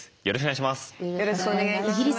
よろしくお願いします。